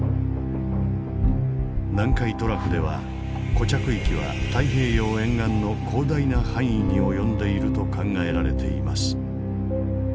南海トラフでは固着域は太平洋沿岸の広大な範囲に及んでいると考えられています。